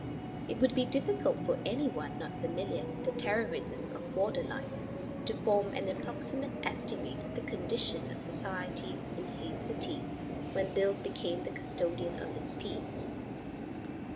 It would be difficult for any one not familiar with the terrorism of border life to form an approximate estimate of the condition of society in Hays City when Bill became the custodian of its peace.